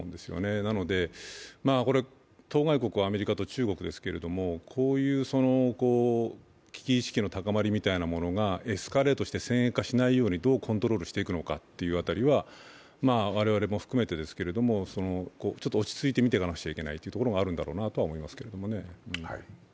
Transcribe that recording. なので、当該国はアメリカと中国ですけれども、こういう危機意識の高まりみたいなものがエスカレートして先鋭化しないようにどうコントロールしていくのか我々も含めてですけども、ちょっと落ち着いて見ていかなくちゃいけないところはあると思います。